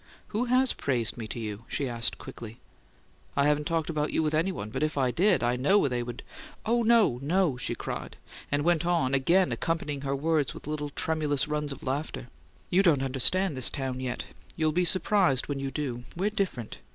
"Who HAS praised me to you?" she asked, quickly. "I haven't talked about you with any one; but if I did, I know they'd " "No, no!" she cried, and went on, again accompanying her words with little tremulous runs of laughter. "You don't understand this town yet. You'll be surprised when you do; we're different.